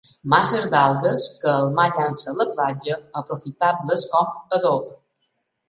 Masses d'algues que el mar llança a la platja, aprofitables com a adob.